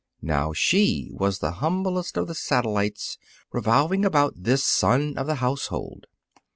Now she was the humblest of the satellites revolving about this sun of the household.